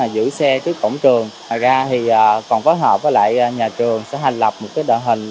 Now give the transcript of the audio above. giữ xe trước cổng trường ngoài ra thì còn phối hợp với lại nhà trường sẽ hành lập một cái đoạn hình